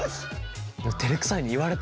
照れくさいね言われたら。